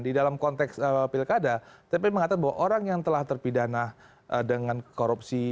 di dalam konteks pilkada tp mengatakan bahwa orang yang telah terpidana dengan korupsi